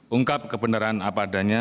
ungkap kebenaran apa adanya